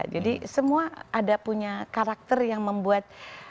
jadi semua ada punya karakter yang membuat